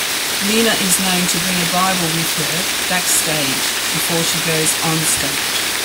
Lima is known to bring a Bible with her backstage before she goes onstage.